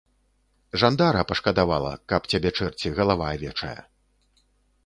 Жандара пашкадавала, каб цябе чэрці, галава авечая.